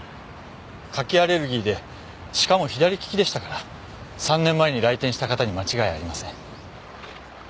牡蠣アレルギーでしかも左利きでしたから３年前に来店した方に間違いありません。